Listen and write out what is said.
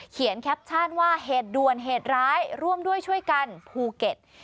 เขียนแคปชั่นว่าเหตุด่วนเหตุร้ายร่วมด้วยช่วยกันภูเก็ต